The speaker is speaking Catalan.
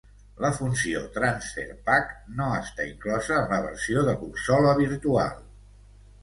La funció "Transfer Pak" no està inclosa en la versió de Consola Virtual.